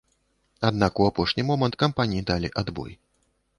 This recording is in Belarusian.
Аднак у апошні момант кампаніі далі адбой.